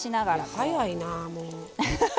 速いな、もう。